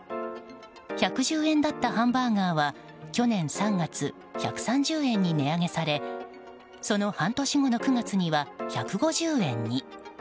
１１０円だったハンバーガーは去年３月１３０円に値上げされその半年後の９月には１５０円に。